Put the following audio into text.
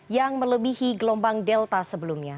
yang melebihi gelombang delta sebelumnya